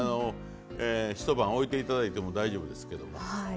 一晩おいて頂いても大丈夫ですけども。